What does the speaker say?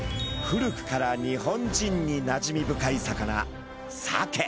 古くから日本人になじみ深い魚サケ。